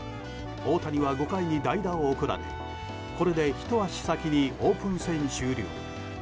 大谷は５回に代打を送られこれでひと足先にオープン戦終了。